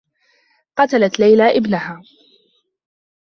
قتلت ليلى ابنها.